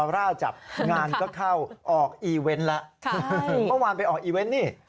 ร่าจับงานก็เข้าออกอีเวนต์แล้วเมื่อวานไปออกอีเวนต์นี่